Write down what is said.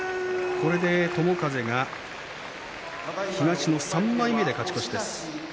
友風は東の３枚目で勝ち越しです。